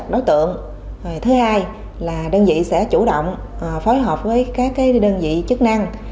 đơn vị sẽ chủ động phối hợp với các đơn vị chức năng